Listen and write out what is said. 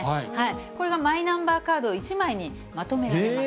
これがマイナンバーカード１枚にまとめられます。